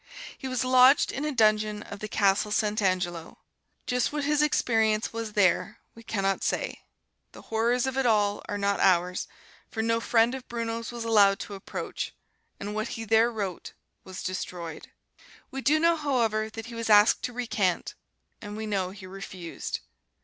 He was lodged in a dungeon of the Castle Saint Angelo. Just what his experience was there we can not say the horrors of it all are not ours, for no friend of Bruno's was allowed to approach, and what he there wrote was destroyed. We do know, however, that he was asked to recant, and we know he refused.